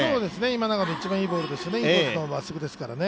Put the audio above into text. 今永の、一番いいボールですよね